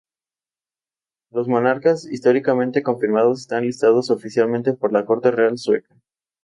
Los monarcas históricamente confirmados están listados oficialmente por la Corte Real Sueca.